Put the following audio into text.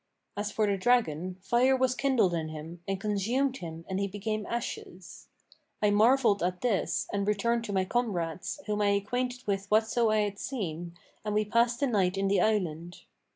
As for the dragon, fire was kindled in him and consumed him and he became ashes. I marvelled at this and returned to my comrades, whom I acquainted with whatso I had seen, and we passed the night in the island.